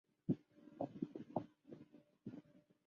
因此在社会上享有很高声誉。